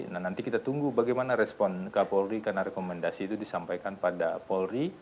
nah nanti kita tunggu bagaimana respon kapolri karena rekomendasi itu disampaikan pada polri